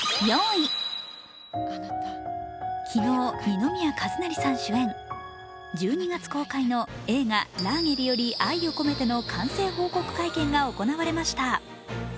昨日、二宮和也さん主演、１２月公開の映画「ラーゲリより愛を込めて」の完成報告会見が行われました。